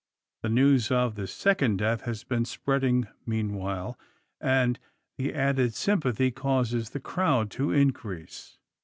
The news of the second death has been spreading meanwhile, and the added sympathy causes the crowd to increase.